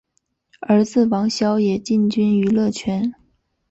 儿子王骁也进军娱乐圈。